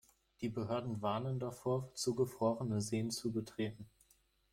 Die Behörden warnen davor, zugefrorene Seen zu betreten.